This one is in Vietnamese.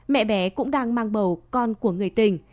mẹ bé cũng đang mang bầu con của người tình